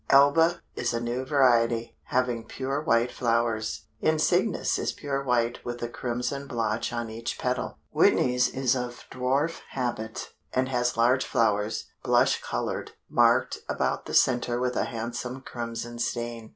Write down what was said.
Alba is a new variety, having pure white flowers; Insignis is pure white with a crimson blotch on each petal; Whitney's is of dwarf habit, and has large flowers, blush colored, marked about the center with a handsome crimson stain.